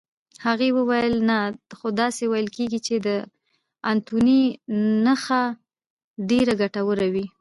هغې وویل: نه، خو داسې ویل کېږي چې د انتوني نخښه ډېره ګټوره وي.